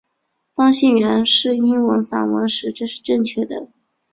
当信源是英文散文时这是正确的。